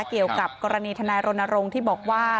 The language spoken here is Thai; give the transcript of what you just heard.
เกี่ยวกับกรณีทนายรณรงค์ที่บอกว่า